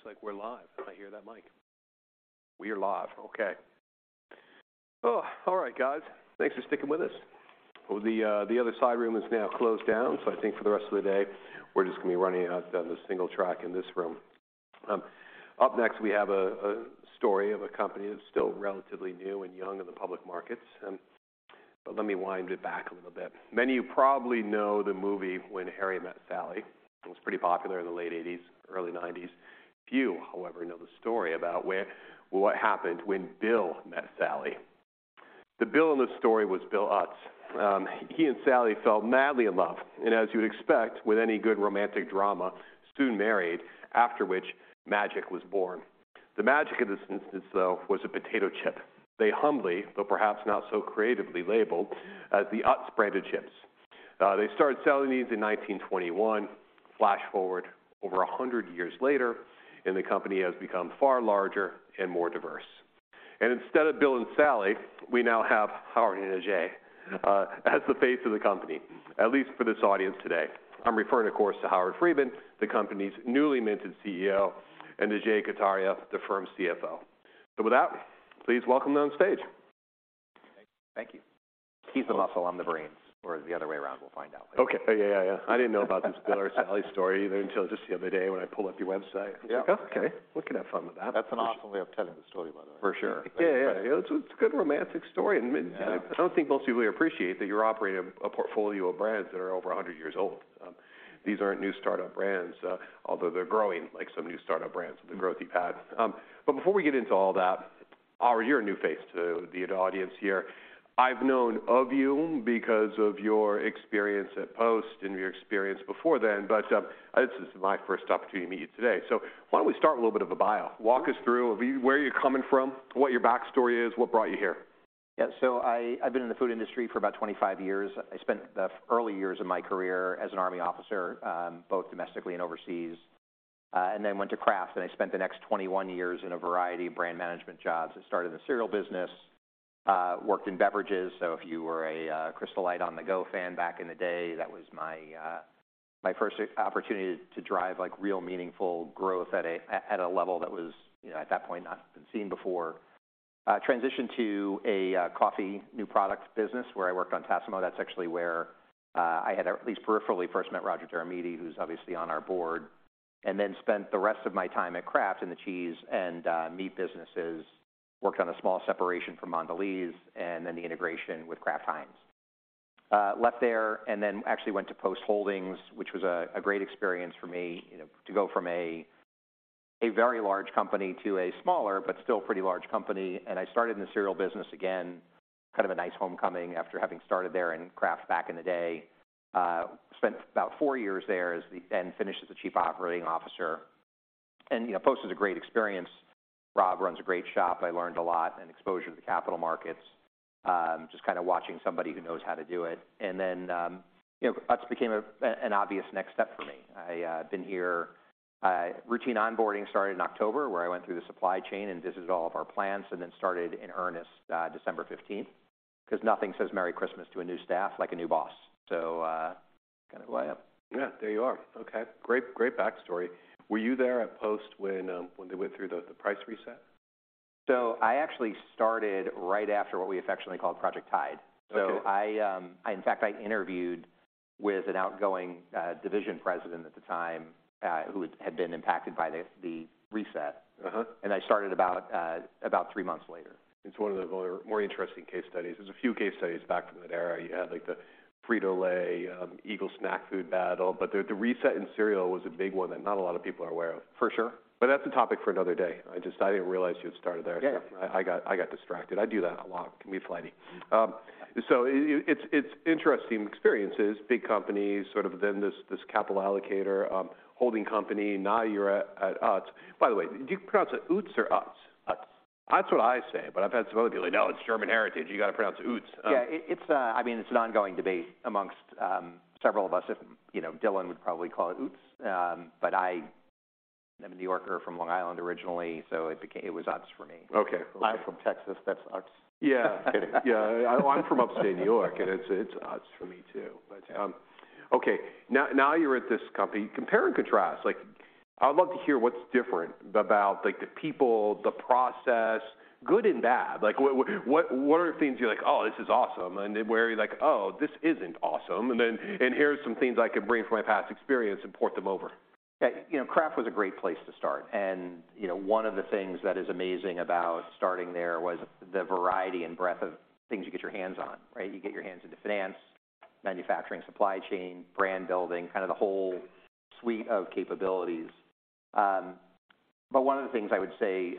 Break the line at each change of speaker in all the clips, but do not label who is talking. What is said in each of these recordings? Okay, it looks like we're live. I hear that mic.
We are live. Okay.
Oh, all right, guys. Thanks for sticking with us. Well, the other side room is now closed down, so I think for the rest of the day, we're just gonna be running it out down the single track in this room. Up next, we have a story of a company that's still relatively new and young in the public markets, and let me wind it back a little bit. Many of you probably know the movie When Harry Met Sally. It was pretty popular in the late 1980's, early 1990's. Few, however, know the story about what happened when Bill met Sally. The Bill in this story was William Utz. He and Sally fell madly in love, and as you'd expect with any good romantic drama, soon married, after which magic was born. The magic of this instance, though, was a potato chip. They humbly, but perhaps not so creatively, labeled as the UTZ branded chips. They started selling these in 1921. Flash forward over 100 years later, and the company has become far larger and more diverse. Instead of Bill and Sally, we now have Howard and Ajay as the face of the company, at least for this audience today. I'm referring, of course, to Howard Friedman, the company's newly minted CEO, and Ajay Kataria, the firm's CFO. With that, please welcome them on stage.
Thank you. He's the muscle, I'm the brains, or the other way around. We'll find out.
Yeah, yeah. I didn't know about this Bill or Sally story either until just the other day when I pulled up your website.
Yeah.
I was like, "Okay, we could have fun with that.
That's an awesome way of telling the story, by the way.
For sure.
Yeah, yeah. It's a good romantic story, and mid-.
Yeah.
I don't think most people really appreciate that you're operating a portfolio of brands that are over 100 years old. These aren't new startup brands, although they're growing like some new startup brands with the growth you've had. Before we get into all that, Howard, you're a new face to the audience here. I've known of you because of your experience at Post and your experience before then, but, this is my first opportunity to meet you today. Why don't we start with a little bit of a bio. Walk us through where you're coming from, what your backstory is, what brought you here.
I've been in the food industry for about 25 years. I spent the early years of my career as an Army officer, both domestically and overseas, and then went to Kraft, and I spent the next 21 years in a variety of brand management jobs and started in the cereal business, worked in beverages. If you were a Crystal Light On The Go fan back in the day, that was my first opportunity to drive, like, real meaningful growth at a level that was, you know, at that point not been seen before. Transitioned to a coffee new product business where I worked on Tassimo. That's actually where I had at least peripherally first met Roger K. DeRomedis, who's obviously on our board. Spent the rest of my time at Kraft in the cheese and meat businesses. Worked on a small separation from Mondelēz and then the integration with Kraft Heinz. Left there and then actually went to Post Holdings, which was a great experience for me, you know, to go from a very large company to a smaller but still pretty large company. I started in the cereal business again, kind of a nice homecoming after having started there in Kraft back in the day. Spent about four years there and finished as the Chief Operating Officer. You know, Post is a great experience. Rob runs a great shop. I learned a lot and exposure to the capital markets, just kinda watching somebody who knows how to do it. You know, Utz became an obvious next step for me. I have been here, routine onboarding started in October, where I went through the supply chain and visited all of our plants and then started in earnest, December 15th, 'cause nothing says Merry Christmas to a new staff like a new boss. Kind of why I'm.
Yeah, there you are. Okay. Great, great backstory. Were you there at Post when they went through the price reset?
I actually started right after what we affectionately called Project Tide.
Okay.
In fact, I interviewed with an outgoing division president at the time, who had been impacted by the reset.
Uh-huh.
I started about three months later.
It's one of the more interesting case studies. There's a few case studies back from that era. You had, like, the Frito-Lay, Eagle Snack Food battle. The reset in cereal was a big one that not a lot of people are aware of.
For sure.
That's a topic for another day. I just, I didn't realize you had started there.
Yeah, yeah.
I got distracted. I do that a lot. Can be flighty. It's interesting experiences, big companies, sort of then this capital allocator, holding company. Now you're at Utz. By the way, do you pronounce it Utz or Utz?
Utz.
That's what I say, but I've had some other people, "No, it's German heritage. You gotta pronounce it Utz.
Yeah, it's, I mean, it's an ongoing debate amongst several of us. If, you know, Dylan would probably call it Utz. I am a New Yorker from Long Island originally, so it was Utz for me.
Okay.
I'm from Texas. That's Utz.
Yeah.
Kidding.
Yeah. I'm from upstate New York, and it's Utz for me too. Okay, now you're at this company. Compare and contrast. Like, I would love to hear what's different about, like, the people, the process, good and bad. Like, what are things you're like, "Oh, this is awesome," and then where you're like, "Oh, this isn't awesome," and then, "Here are some things I can bring from my past experience and port them over"?
Yeah. You know, Kraft was a great place to start and, you know, one of the things that is amazing about starting there was the variety and breadth of things you get your hands on, right? You get your hands into finance, manufacturing, supply chain, brand building, kind of the whole suite of capabilities. One of the things I would say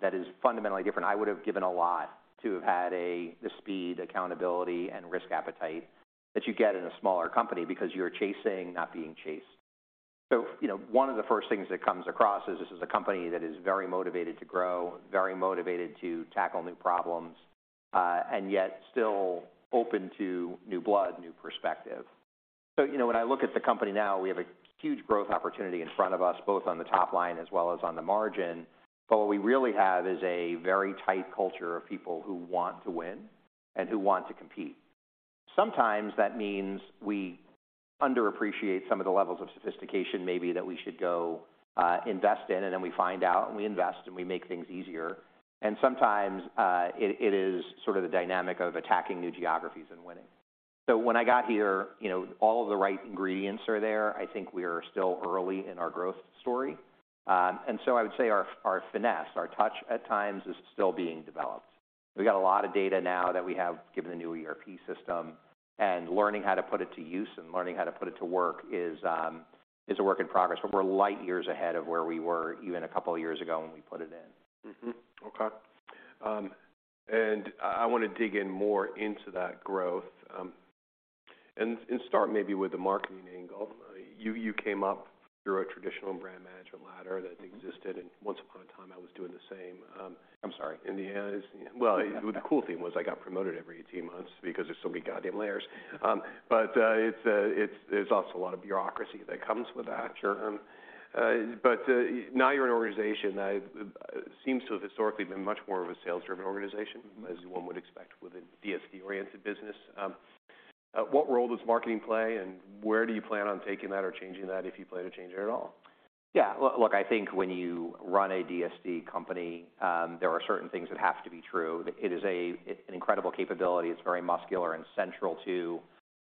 that is fundamentally different, I would have given a lot to have had the speed, accountability, and risk appetite that you get in a smaller company because you're chasing, not being chased. You know, one of the first things that comes across is this is a company that is very motivated to grow, very motivated to tackle new problems, and yet still open to new blood, new perspective. You know, when I look at the company now, we have a huge growth opportunity in front of us, both on the top line as well as on the margin, but what we really have is a very tight culture of people who want to win and who want to compete. Sometimes that means we underappreciate some of the levels of sophistication maybe that we should go, invest in, and then we find out, and we invest, and we make things easier. Sometimes, it is sort of the dynamic of attacking new geographies and winning. When I got here, you know, all of the right ingredients are there. I think we are still early in our growth story. I would say our finesse, our touch at times is still being developed. We got a lot of data now that we have, given the new ERP system, and learning how to put it to use and learning how to put it to work is a work in progress. We're light years ahead of where we were even a couple of years ago when we put it in.
Okay. I wanna dig in more into that growth, and start maybe with the marketing angle. You came up through a traditional brand management ladder that existed.
Mm-hmm.
once upon a time, I was doing the same.
I'm sorry.
In the end, well, the cool thing was I got promoted every 18 months because there's so many goddamn layers. There's also a lot of bureaucracy that comes with that.
Sure.
Now you're an organization that seems to have historically been much more of a sales-driven organization.
Mm-hmm
...as one would expect with a DSD-oriented business. What role does marketing play, and where do you plan on taking that or changing that if you plan to change it at all?
Yeah. Look, I think when you run a DSD company, there are certain things that have to be true. It is a, it's an incredible capability. It's very muscular and central to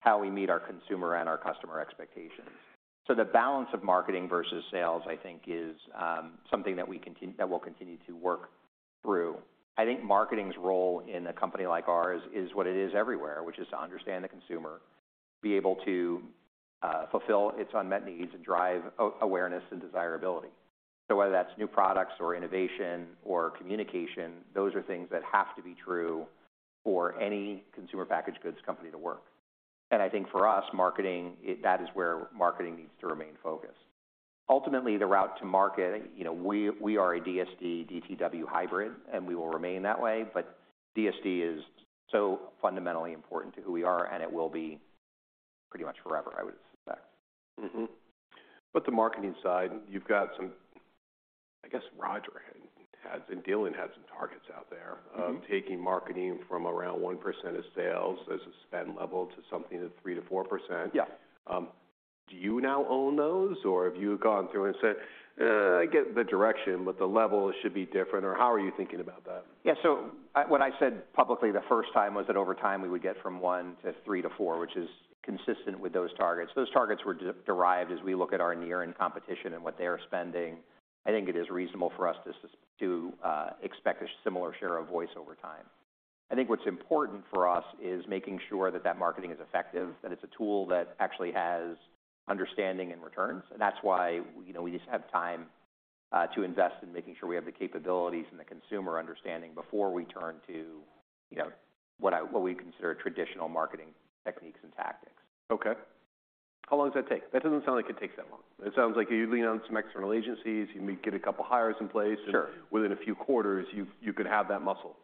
how we meet our consumer and our customer expectations. The balance of marketing versus sales, I think, is, something that we'll continue to work through. I think marketing's role in a company like ours is what it is everywhere, which is to understand the consumer, be able to fulfill its unmet needs and drive awareness and desirability. Whether that's new products or innovation or communication, those are things that have to be true for any consumer packaged goods company to work. I think for us, marketing, that is where marketing needs to remain focused. Ultimately, the route to market, you know, we are a DSD/DTW hybrid, and we will remain that way. DSD is so fundamentally important to who we are. It will be pretty much forever, I would expect.
Mm-hmm. The marketing side, you've got some... I guess Roger has and Dylan had some targets out there...
Mm-hmm
...of taking marketing from around 1% of sales as a spend level to something at 3%-4%.
Yeah.
Do you now own those, or have you gone through and said, "I get the direction, but the level should be different," or how are you thinking about that?
Yeah. What I said publicly the first time was that over time, we would get from 1 to 3 to 4, which is consistent with those targets. Those targets were de-derived as we look at our near-in competition and what they are spending. I think it is reasonable for us to expect a similar share of voice over time. I think what's important for us is making sure that that marketing is effective, that it's a tool that actually has understanding and returns, and that's why, you know, we just have time to invest in making sure we have the capabilities and the consumer understanding before we turn to, you know, what we consider traditional marketing techniques and tactics.
Okay. How long does that take? That doesn't sound like it takes that long. It sounds like you lean on some external agencies, you get a couple hires in place.
Sure
within a few quarters, you could have that muscle.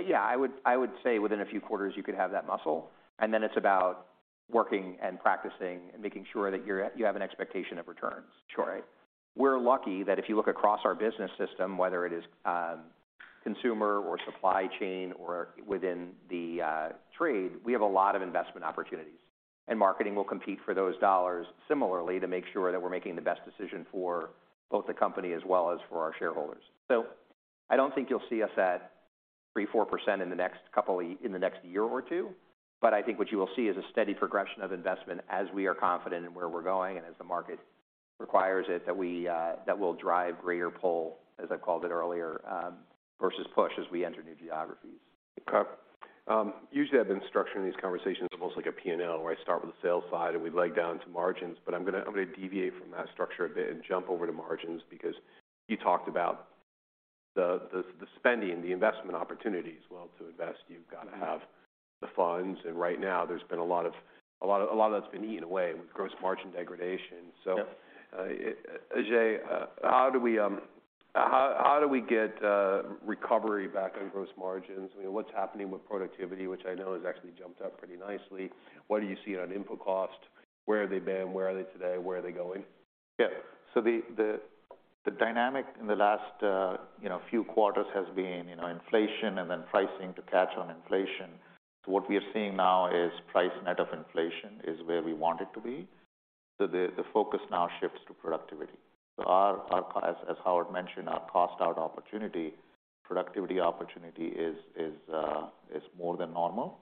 Yeah. I would say within a few quarters you could have that muscle, then it's about working and practicing and making sure that you have an expectation of returns.
Sure.
We're lucky that if you look across our business system, whether it is consumer or supply chain or within the trade, we have a lot of investment opportunities, and marketing will compete for those dollars similarly to make sure that we're making the best decision for both the company as well as for our shareholders. I don't think you'll see us at 3%, 4% in the next year or two, but I think what you will see is a steady progression of investment as we are confident in where we're going and as the market requires it, that we that will drive greater pull, as I've called it earlier, versus push as we enter new geographies.
Usually I've been structuring these conversations almost like a P&L, where I start with the sales side and we leg down to margins, but I'm gonna deviate from that structure a bit and jump over to margins because you talked about the spending, the investment opportunities. Well, to invest you've gotta have the funds, and right now there's been a lot of that's been eaten away with gross margin degradation.
Yeah.
Ajay, how do we get recovery back on gross margins? I mean, what's happening with productivity, which I know has actually jumped up pretty nicely. What do you see on input cost? Where have they been? Where are they today? Where are they going?
Yeah. The dynamic in the last, you know, few quarters has been, you know, inflation and then pricing to catch on inflation. What we are seeing now is price net of inflation is where we want it to be. The focus now shifts to productivity. Our, as Howard mentioned, our cost out opportunity, productivity opportunity is more than normal.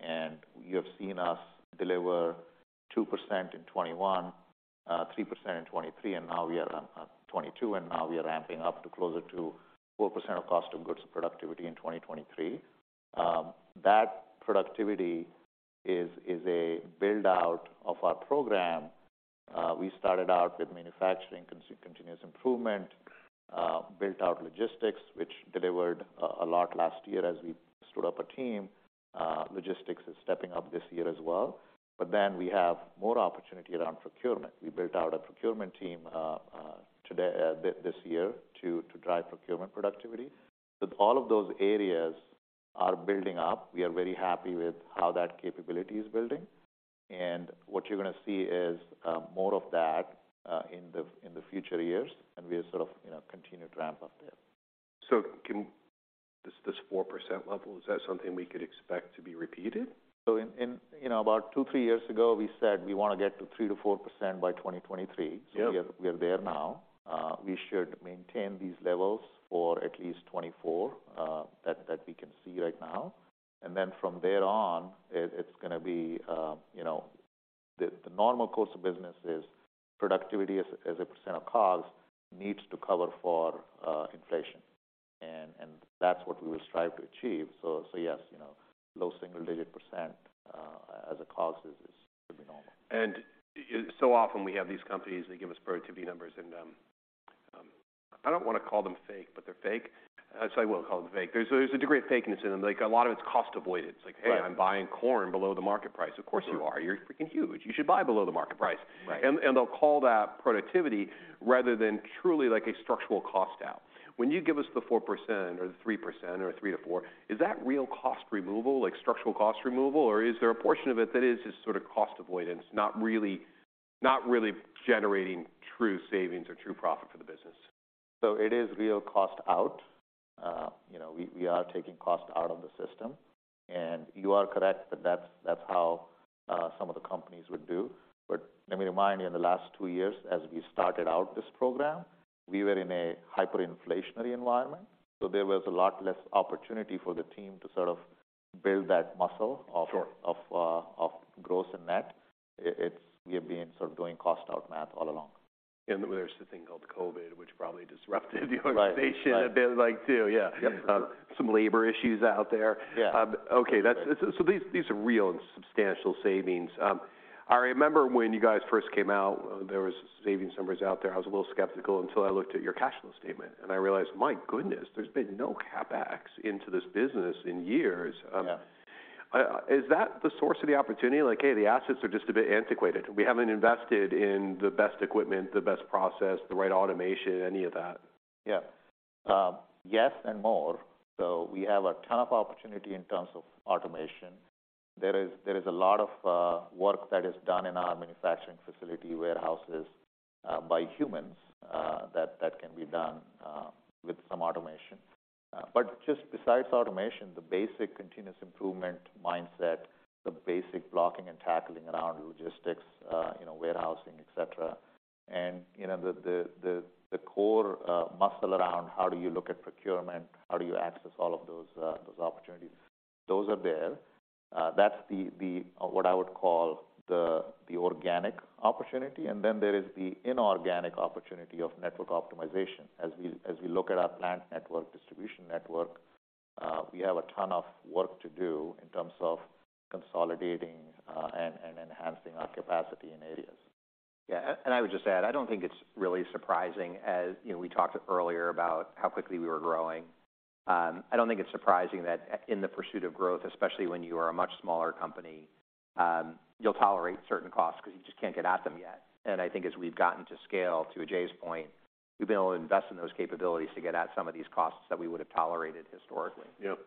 You have seen us deliver 2% in 2021, 3% in 2023, and now we are on 2022, and now we are ramping up to closer to 4% of cost of goods productivity in 2023. That productivity is a build-out of our program. We started out with manufacturing and continuous improvement, built out logistics, which delivered a lot last year as we stood up a team. logistics is stepping up this year as well. we have more opportunity around procurement. We built out a procurement team today this year to drive procurement productivity. all of those areas are building up. We are very happy with how that capability is building, and what you're gonna see is more of that in the future years, and we'll sort of, you know, continue to ramp up there.
Can this 4% level, is that something we could expect to be repeated?
In, you know, about 2, 3 years ago, we said we wanna get to 3%-4% by 2023.
Yep.
we are there now. We should maintain these levels for at least 2024, that we can see right now. From there on, it's gonna be, you know. The normal course of business is productivity as a % of cost needs to cover for inflation and that's what we will strive to achieve. yes, you know, low single-digit % as a cost is to be normal.
Often we have these companies, they give us productivity numbers, and I don't wanna call them fake, but they're fake. I will call them fake. There's a degree of fakeness in them. Like, a lot of it's cost avoided.
Right.
It's like, "Hey, I'm buying corn below the market price.
Mm-hmm.
Of course you are. You're freaking huge. You should buy below the market price.
Right. Right.
They'll call that productivity rather than truly, like, a structural cost out. When you give us the 4% or the 3% or 3%-4%, is that real cost removal, like structural cost removal, or is there a portion of it that is just sort of cost avoidance, not really, not really generating true savings or true profit for the business?
It is real cost out. you know, we are taking cost out of the system, and you are correct that that's how, some of the companies would do. Let me remind you, in the last two years, as we started out this program, we were in a hyperinflationary environment, so there was a lot less opportunity for the team to sort of build that muscle of...
Sure...
of growth and net. We have been sort of doing cost out math all along.
There's the thing called COVID, which probably disrupted the organization.
Right. Right....
a bit, like, too. Yeah.
Yep.
Some labor issues out there.
Yeah.
okay. These are real and substantial savings. I remember when you guys first came out, there was savings numbers out there. I was a little skeptical until I looked at your cash flow statement and I realized, my goodness, there's been no CapEx into this business in years.
Yeah.
Is that the source of the opportunity? Like, "Hey, the assets are just a bit antiquated. We haven't invested in the best equipment, the best process, the right automation, any of that.
Yeah. Yes, and more. We have a ton of opportunity in terms of automation. There is a lot of work that is done in our manufacturing facility warehouses by humans that can be done with some automation. Just besides automation, the basic continuous improvement mindset, the basic blocking and tackling around logistics, you know, warehousing, etc. You know, the core muscle around how do you look at procurement, how do you access all of those opportunities, those are there. That's what I would call the organic opportunity. There is the inorganic opportunity of network optimization. As we look at our plant network, distribution network, we have a ton of work to do in terms of consolidating, and enhancing our capacity in areas.
Yeah. I would just add, I don't think it's really surprising as you know, we talked earlier about how quickly we were growing. I don't think it's surprising that in the pursuit of growth, especially when you are a much smaller company, you'll tolerate certain costs because you just can't get at them yet. I think as we've gotten to scale, to Ajay's point, we've been able to invest in those capabilities to get at some of these costs that we would have tolerated historically.
Yep.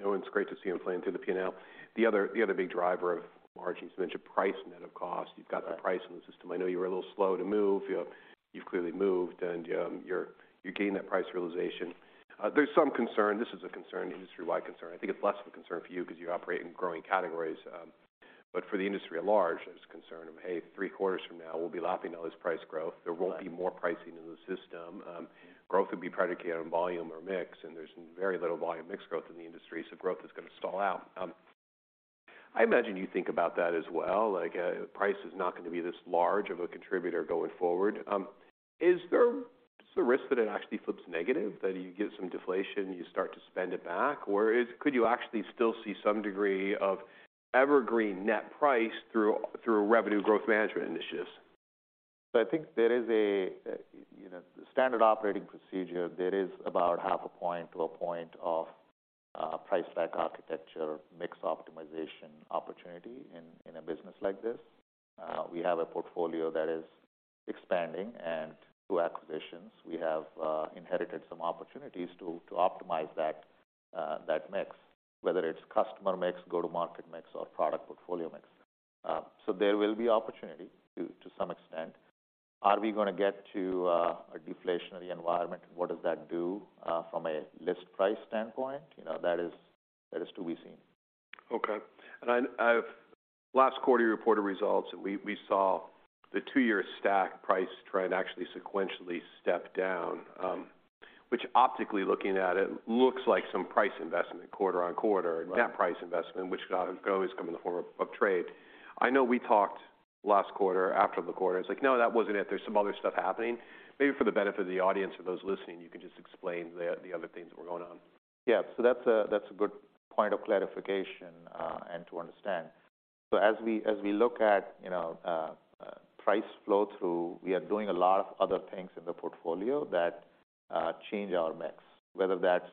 No, it's great to see them playing through the P&L. The other big driver of margins, you mentioned price net of cost.
Right.
You've got the price in the system. I know you were a little slow to move. You know, you've clearly moved, and you're gaining that price realization. There's some concern, this is a concern, industry-wide concern. I think it's less of a concern for you because you operate in growing categories. For the industry at large, there's concern of, hey, 3 quarters from now we'll be laughing at all this price growth.
Right.
There won't be more pricing in the system. Growth will be predicated on volume or mix. There's very little volume mix growth in the industry, growth is gonna stall out. I imagine you think about that as well, like, price is not gonna be this large of a contributor going forward. Is there the risk that it actually flips negative? That you get some deflation, you start to spend it back? Could you actually still see some degree of evergreen net price through revenue growth management initiatives?
I think there is a, you know, standard operating procedure. There is about half a point to a point of price stack architecture, mix optimization opportunity in a business like this. We have a portfolio that is expanding, and through acquisitions we have inherited some opportunities to optimize that mix, whether it's customer mix, go-to-market mix, or product portfolio mix. There will be opportunity to some extent. Are we gonna get to a deflationary environment? What does that do from a list price standpoint? You know, that is to be seen.
Okay. I've Last quarter you reported results and we saw the two-year stack price trend actually sequentially step down, which optically looking at it looks like some price investment quarter-on-quarter.
Right...
net price investment, which kinda come in the form of trade. I know we talked last quarter after the quarter, it's like, no, that wasn't it. There's some other stuff happening. Maybe for the benefit of the audience or those listening, you can just explain the other things that were going on.
Yeah. That's a, that's a good point of clarification and to understand. As we, as we look at, you know, price flow-through, we are doing a lot of other things in the portfolio that change our mix, whether that's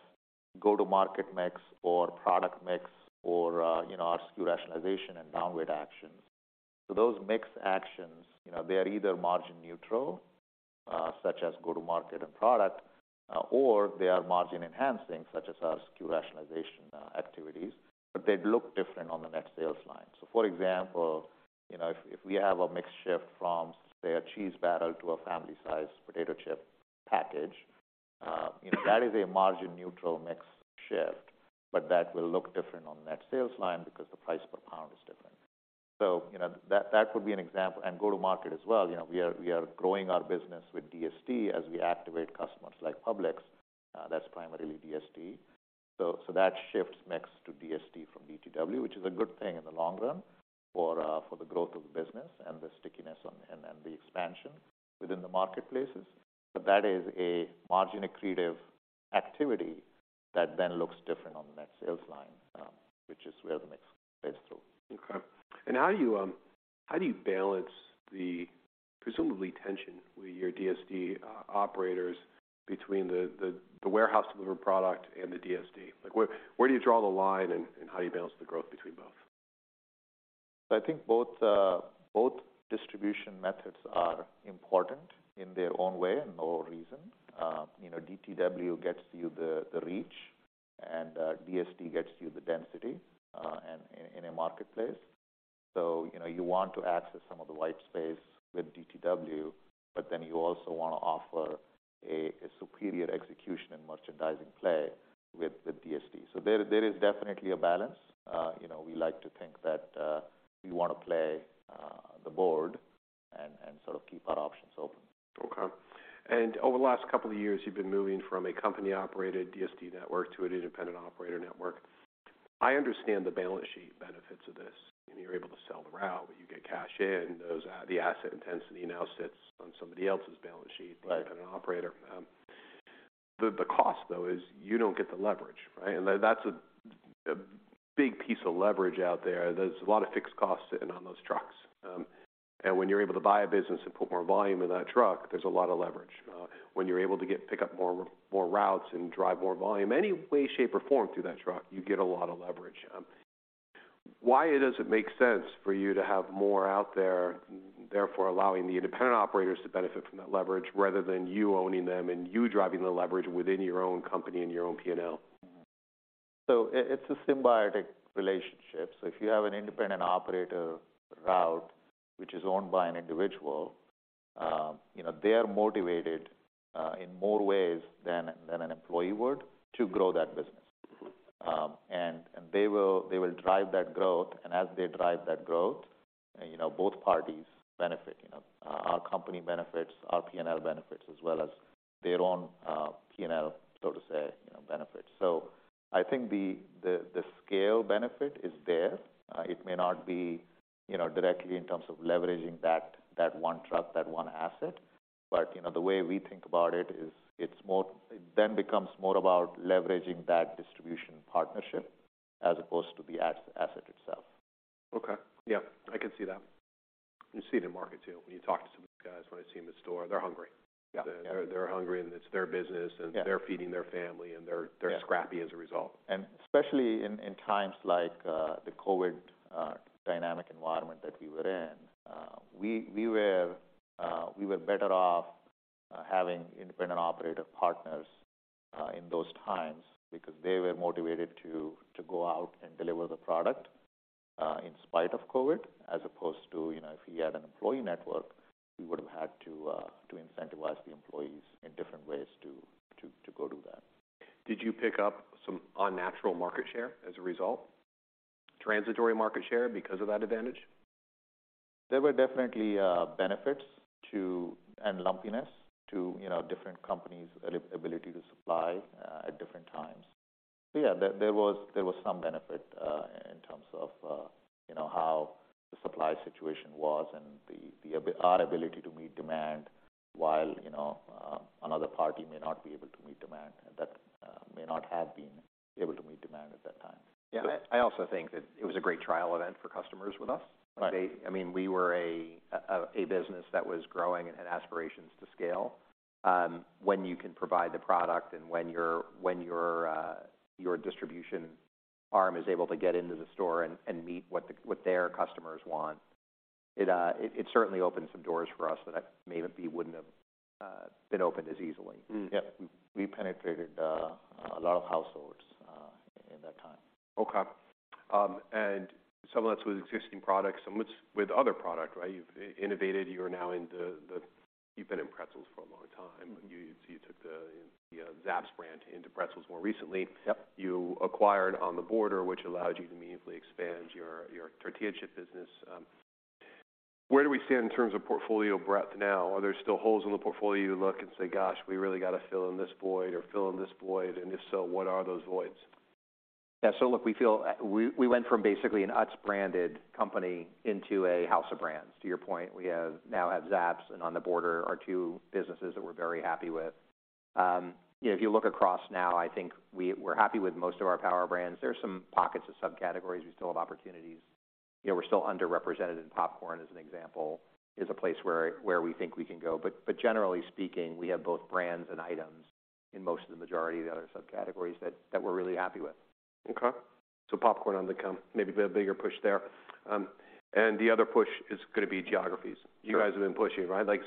go-to-market mix or product mix or, you know, our SKU rationalization and downward actions. Those mix actions, you know, they are either margin neutral, such as go-to-market and product, or they are margin enhancing, such as our SKU rationalization activities, but they'd look different on the net sales line. For example, you know, if we have a mix shift from, say, a cheese barrel to a family-sized potato chip package. That is a margin neutral mix shift, but that will look different on the net sales line because the price per pound is different. You know, that would be an example, and go to market as well. You know, we are growing our business with DSD as we activate customers like Publix, that's primarily DSD. That shifts mix to DSD from DTW, which is a good thing in the long run for the growth of the business and the stickiness and the expansion within the marketplaces. That is a margin accretive activity that then looks different on the net sales line, which is where the mix plays through.
Okay. how do you, how do you balance the presumably tension with your DSD operators between the warehouse delivered product and the DSD? Like, where do you draw the line, and how do you balance the growth between both?
I think both distribution methods are important in their own way and for a reason. You know, DTW gets you the reach, and DSD gets you the density in a marketplace. You know, you want to access some of the white space with DTW, but then you also wanna offer a superior execution and merchandising play with DSD. There is definitely a balance. You know, we like to think that we wanna play the board and sort of keep our options open.
Okay. Over the last couple of years, you've been moving from a company-operated DSD network to an independent operator network. I understand the balance sheet benefits of this, and you're able to sell the route, but you get cash in. The asset intensity now sits on somebody else's balance sheet.
Right
...an operator. The cost, though, is you don't get the leverage, right? That's a big piece of leverage out there. There's a lot of fixed costs sitting on those trucks. When you're able to buy a business and put more volume in that truck, there's a lot of leverage. When you're able to pick up more routes and drive more volume, any way, shape, or form through that truck, you get a lot of leverage. Why does it make sense for you to have more out there, therefore allowing the independent operators to benefit from that leverage rather than you owning them and you driving the leverage within your own company and your own P&L?
It's a symbiotic relationship. If you have an independent operator route which is owned by an individual, you know, they are motivated in more ways than an employee would to grow that business.
Mm-hmm.
They will drive that growth, and as they drive that growth, you know, both parties benefit, you know. Our company benefits, our P&L benefits, as well as their own P&L, so to say, you know, benefits. I think the scale benefit is there. It may not be, you know, directly in terms of leveraging that one truck, that one asset, but, you know, the way we think about it is it then becomes more about leveraging that distribution partnership as opposed to the as-asset itself.
Okay. Yeah, I can see that. You see it in market, too, when you talk to some of the guys. When I see them in store, they're hungry.
Yeah.
They're hungry. It's their business.
Yeah
and they're feeding their family.
Yeah
...they're scrappy as a result.
Especially in times like the COVID dynamic environment that we were in, we were better off having independent operator partners in those times because they were motivated to go out and deliver the product in spite of COVID, as opposed to, you know, if you had an employee network, we would've had to incentivize the employees in different ways to go do that.
Did you pick up some unnatural market share as a result? Transitory market share because of that advantage?
There were definitely benefits to, and lumpiness to, you know, different companies' ability to supply at different times. There was some benefit in terms of, you know, how the supply situation was and our ability to meet demand while, you know, another party may not be able to meet demand and that may not have been able to meet demand at that time.
Yeah, I also think that it was a great trial event for customers with us.
Right.
I mean, we were a business that was growing and had aspirations to scale. When you can provide the product and when your distribution arm is able to get into the store and meet what their customers want, it certainly opened some doors for us that maybe wouldn't have been opened as easily.
Yeah. We penetrated a lot of households in that time.
Okay. Some of that's with existing products, some it's with other product, right? You've innovated. You are now into the... You've been in pretzels for a long time. You took the Zapp's brand into pretzels more recently.
Yep.
You acquired On The Border, which allowed you to meaningfully expand your tortilla chip business. Where do we stand in terms of portfolio breadth now? Are there still holes in the portfolio you look and say, 'Gosh, we really gotta fill in this void or fill in this void,' and if so, what are those voids?
Look, we feel, we went from basically an UTZ-branded company into a house of brands. To your point, we now have Zapp's and On the Border are two businesses that we're very happy with. You know, if you look across now, I think we're happy with most of our power brands. There are some pockets of subcategories we still have opportunities. You know, we're still underrepresented in popcorn as an example, is a place where we think we can go. Generally speaking, we have both brands and items in most of the majority of the other subcategories that we're really happy with.
Okay. popcorn on the come, maybe a bigger push there. the other push is gonna be geographies.
Sure.
You guys have been pushing, right? Like,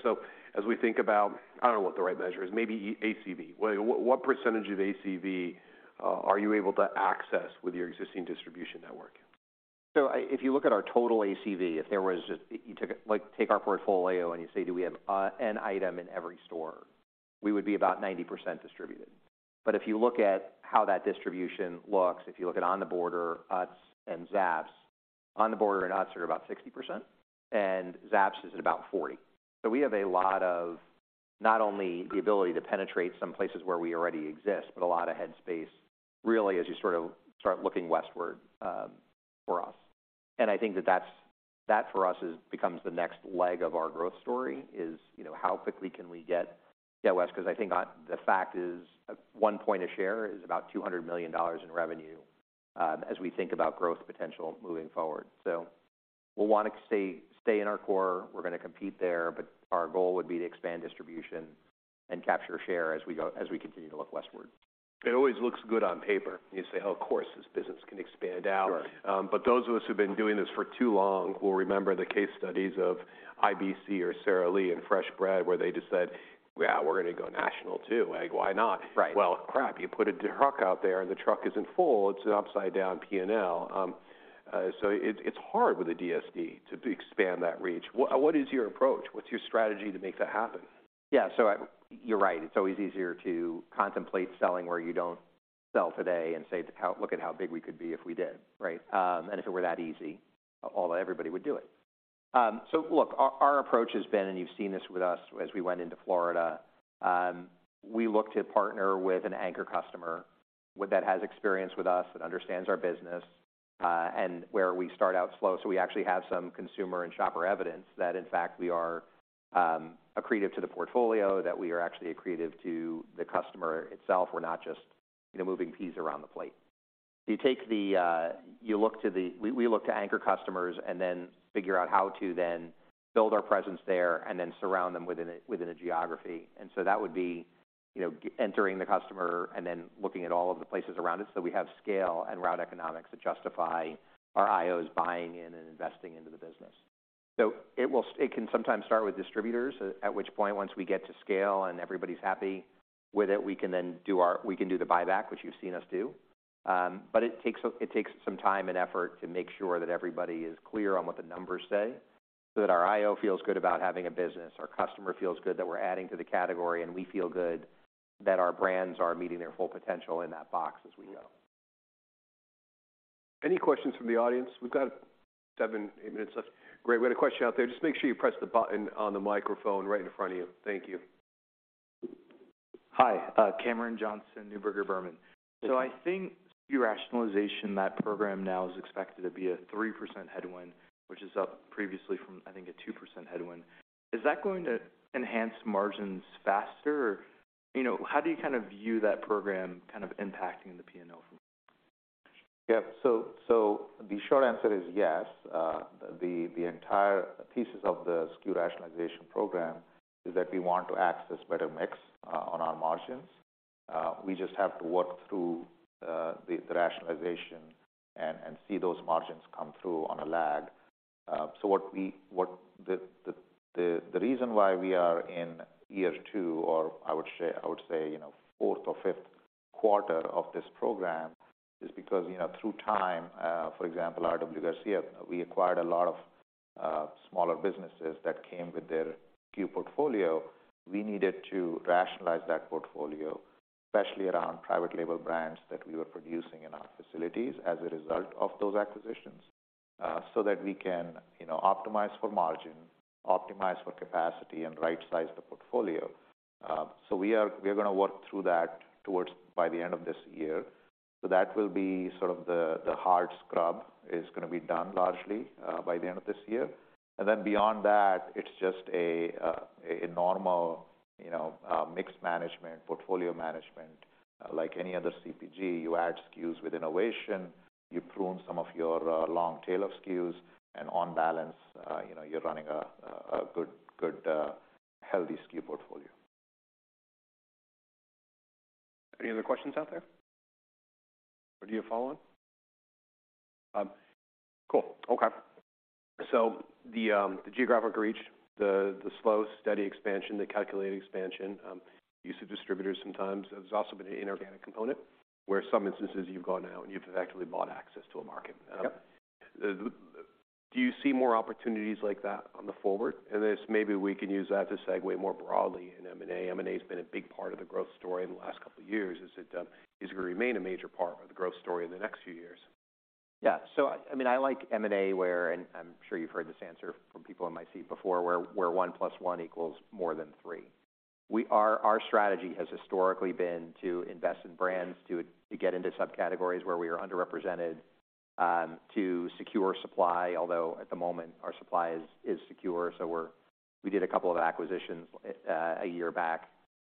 as we think about, I don't know what the right measure is, maybe ACV. What % of ACV are you able to access with your existing distribution network?
I, if you look at our total ACV, like, take our portfolio and you say, "Do we have an item in every store?" We would be about 90% distributed. If you look at how that distribution looks, if you look at On The Border, Utz, and Zapp's, On The Border and Utz are about 60% and Zapp's is at about 40%. We have a lot of not only the ability to penetrate some places where we already exist, but a lot of head space really as you sort of start looking westward for us. I think that for us becomes the next leg of our growth story is, you know, how quickly can we get due west 'cause I think on... The fact is 1 point of share is about $200 million in revenue, as we think about growth potential moving forward. We'll wanna stay in our core. We're gonna compete there, but our goal would be to expand distribution and capture share as we continue to look westward.
It always looks good on paper. You say, "Oh, of course, this business can expand out.
Sure.
Those of us who've been doing this for too long will remember the case studies of IBC or Sara Lee and Fresh Breads, where they just said, "Yeah, we're gonna go national too. Like, why not?
Right.
Well, crap, you put a truck out there and the truck isn't full, it's an upside down P&L. It's hard with a DSD to expand that reach. What is your approach? What's your strategy to make that happen?
I... You're right. It's always easier to contemplate selling where you don't sell today and say, "How... Look at how big we could be if we did." Right? If it were that easy, everybody would do it. Look, our approach has been, You've seen this with us as we went into Florida, we look to partner with an anchor customer that has experience with us and understands our business, Where we start out slow, so we actually have some consumer and shopper evidence that in fact we are accretive to the portfolio, that we are actually accretive to the customer itself. We're not just, you know, moving peas around the plate. You take the... You look to the... We look to anchor customers and then figure out how to then build our presence there and then surround them within a geography. That would be, you know, entering the customer and then looking at all of the places around it so we have scale and route economics that justify our IOs buying in and investing into the business. It can sometimes start with distributors, at which point once we get to scale and everybody's happy with it, we can then do the buyback, which you've seen us do. It takes some time and effort to make sure that everybody is clear on what the numbers say so that our IO feels good about having a business, our customer feels good that we're adding to the category, and we feel good that our brands are meeting their full potential in that box as we go.
Any questions from the audience? We've got seven, eight minutes left. Great. We had a question out there. Just make sure you press the button on the microphone right in front of you. Thank you.
Hi. Cameron Johnson, Neuberger Berman.
Thank you.
I think your rationalization, that program now is expected to be a 3% headwind, which is up previously from I think a 2% headwind. Is that going to enhance margins faster? You know, how do you kind of view that program kind of impacting the P&L from?
Yeah. So the short answer is yes. The entire thesis of the SKU rationalization program is that we want to access better mix on our margins. We just have to work through the rationalization and see those margins come through on a lag. What the reason why we are in year two, or I would say, you know, fourth or fifth quarter of this program is because, you know, through time, for example, RW Garcia, we acquired a lot of smaller businesses that came with their SKU portfolio. We needed to rationalize that portfolio, especially around private label brands that we were producing in our facilities as a result of those acquisitions, so that we can, you know, optimize for margin, optimize for capacity, and right size the portfolio. We're gonna work through that towards by the end of this year. That will be sort of the hard scrub is gonna be done largely by the end of this year. Beyond that, it's just a normal, you know, mixed management, portfolio management. Like any other CPG, you add SKUs with innovation, you prune some of your long tail of SKUs, and on balance, you know, you're running a good, healthy SKU portfolio.
Any other questions out there? Do you have a follow-on?
Cool. Okay. The, the geographic reach, the slow steady expansion, the calculated expansion, use of distributors sometimes, there's also been an inorganic component where some instances you've gone out and you've effectively bought access to a market.
Yep.
Do you see more opportunities like that on the forward? Maybe we can use that to segue more broadly in M&A. M&A has been a big part of the growth story in the last couple of years. Is it, is it gonna remain a major part of the growth story in the next few years?
Yeah. I mean, I like M&A where, and I'm sure you've heard this answer from people in my seat before, where 1 plus 1 equals more than 3. Our strategy has historically been to invest in brands to get into subcategories where we are underrepresented, to secure supply, although at the moment our supply is secure, we did a couple of acquisitions a year back.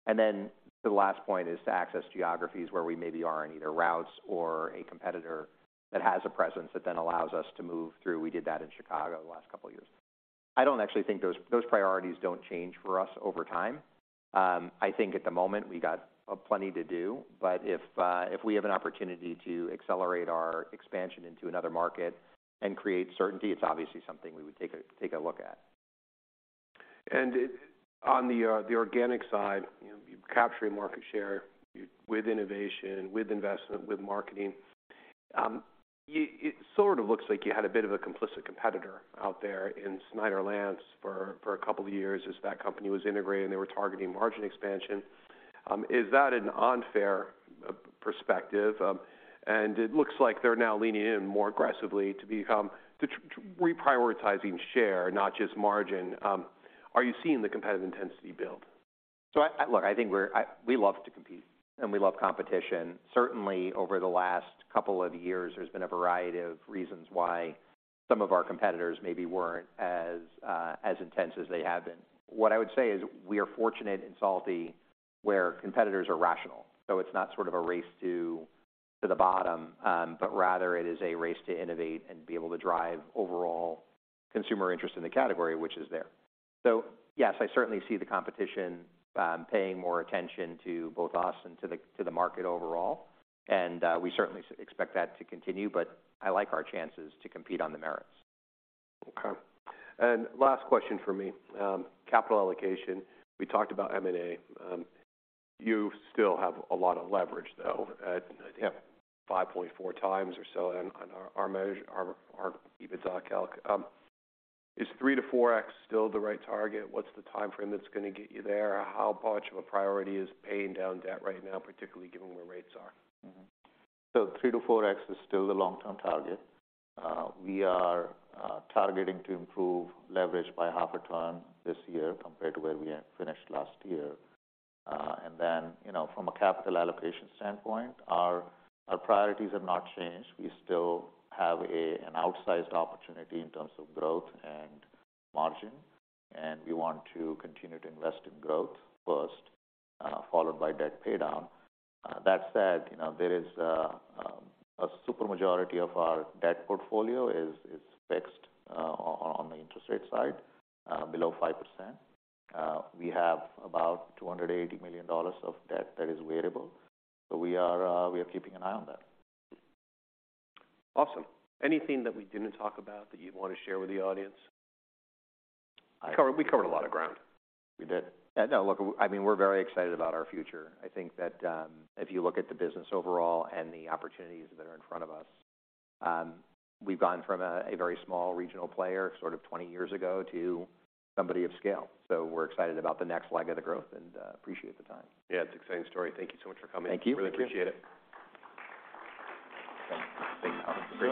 The last point is to access geographies where we maybe aren't either routes or a competitor that has a presence that then allows us to move through. We did that in Chicago the last couple of years. I don't actually think those priorities don't change for us over time. I think at the moment we got plenty to do, but if we have an opportunity to accelerate our expansion into another market and create certainty, it's obviously something we would take a look at.
On the organic side, you know, you're capturing market share with innovation, with investment, with marketing. It sort of looks like you had a bit of a complicit competitor out there in Snyder's-Lance for a couple of years as that company was integrating, they were targeting margin expansion. Is that an unfair perspective? It looks like they're now leaning in more aggressively to reprioritizing share, not just margin. Are you seeing the competitive intensity build?
I... Look, I think we love to compete and we love competition. Certainly over the last couple of years, there's been a variety of reasons why some of our competitors maybe weren't as intense as they have been. What I would say is we are fortunate in salty, where competitors are rational. It's not sort of a race to the bottom, but rather it is a race to innovate and be able to drive overall consumer interest in the category which is there. Yes, I certainly see the competition paying more attention to both us and to the market overall. We certainly expect that to continue. I like our chances to compete on the merits.
Okay. last question from me. capital allocation. We talked about M&A. you still have a lot of leverage, though, at, I think, 5.4x or so on our measure, our EBITDA calc. is 3x-4x still the right target? What's the timeframe that's gonna get you there? How much of a priority is paying down debt right now, particularly given where rates are?
3x-4x is still the long-term target. We are targeting to improve leverage by half a ton this year compared to where we had finished last year. You know, from a capital allocation standpoint, our priorities have not changed. We still have an outsized opportunity in terms of growth and margin, and we want to continue to invest in growth first, followed by debt paydown. That said, you know, there is a super majority of our debt portfolio is fixed on the interest rate side below 5%. We have about $280 million of debt that is variable. We are keeping an eye on that.
Awesome. Anything that we didn't talk about that you'd wanna share with the audience? We covered a lot of ground.
We did. no, look, I mean, we're very excited about our future. I think that, if you look at the business overall and the opportunities that are in front of us, we've gone from a very small regional player sort of 20 years ago to somebody of scale. We're excited about the next leg of the growth and, appreciate the time.
Yeah, it's an exciting story. Thank you so much for coming.
Thank you. Really appreciate it.